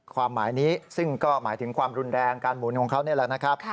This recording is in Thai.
ความหมายนี้ซึ่งก็หมายถึงความรุนแรงการหมุนของเขานี่แหละนะครับ